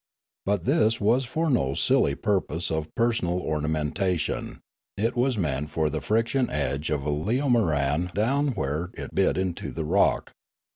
But this was for no silly purpose of per sonal ornamentation ; it was meant for the friction edge of a leomoran down where it bit into the rock.